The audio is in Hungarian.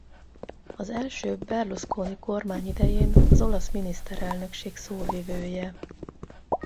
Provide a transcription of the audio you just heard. Az első Berlusconi-kormány idején az olasz miniszterelnökség szóvivője.